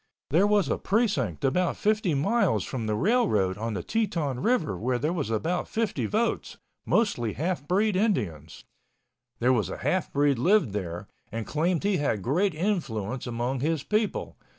There was a precinct about fifty miles from the railroad on the Teton River where there was about fifty votes—mostly half breed Indians. There was a half breed lived there and claimed he had great influence among his people.